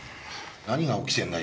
何が起きてんだ？